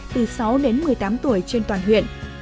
từ sáu đến một mươi tám tuổi trên toàn huyện